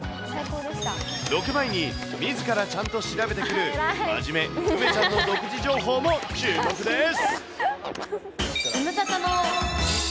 ロケ前にみずからちゃんと調べてくる真面目、梅ちゃんの独自情報も注目です。